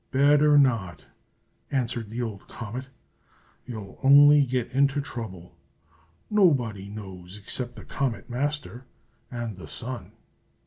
better not!" answered the old comet. "You'll only get into trouble. Nobody knows except the Comet Master and the Sun.